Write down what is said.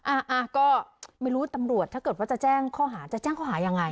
อ่ะก็ไม่รู้ตำรวจถ้าเกิดว่าจะแจ้งข้อหาจะแจ้งข้อหายังไง